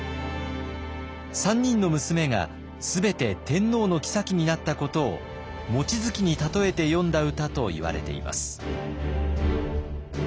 ３人の娘が全て天皇の后になったことを望月に例えて詠んだ歌といわれています。